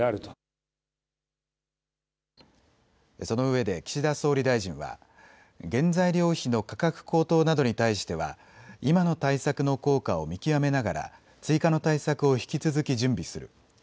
そのうえで岸田総理大臣は原材料費の価格高騰などに対しては今の対策の効果を見極めながら追加の対策を引き続き準備する。